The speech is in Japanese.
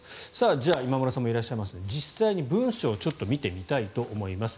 じゃあ、今村さんもいらっしゃいますので実際に文章をちょっと見てみたいと思います。